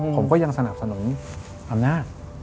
ผมก็ยังสนับสนุนอำนาจ